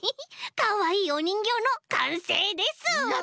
かわいいおにんぎょうのかんせいです。